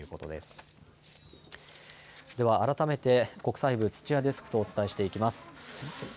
では改めて国際部、土屋デスクとお伝えしていきます。